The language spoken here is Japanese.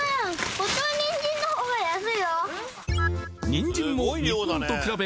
ニンジンも日本とくらべ